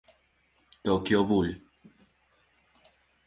Tokyo Bull.